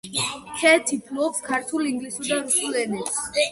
ქეთი ფლობს ქართულ, ინგლისურ და რუსულ ენებს.